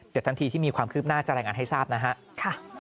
เดี๋ยวทันทีที่มีความคิดหน้าจะแรงอันให้ทราบนะฮะ